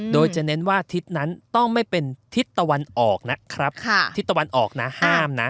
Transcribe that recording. โดยจะเน้นว่าทิศนั้นต้องไม่เป็นทิศตะวันออกนะครับทิศตะวันออกนะห้ามนะ